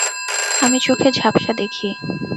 আমি চোখে ঝাপ্সা দেখি।